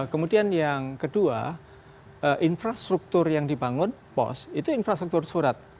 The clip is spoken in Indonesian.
kemudian yang kedua infrastruktur yang dibangun pos itu infrastruktur surat